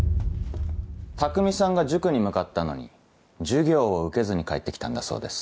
匠さんが塾に向かったのに授業を受けずに帰って来たんだそうです。